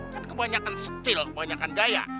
kan kebanyakan stil kebanyakan gaya